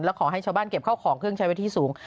และขอให้ชาวบ้านเก็บเข้าของเครื่องใช้ไว้ที่สูง